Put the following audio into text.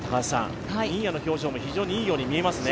新谷の表情も非常にいいように見えますね。